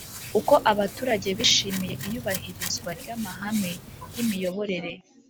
Uko abaturage bishimiye iyubahirizwa ry amahame y imiyoborere